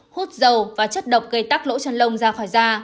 hút dầu và chất độc gây tắc lỗ chân lông ra khỏi da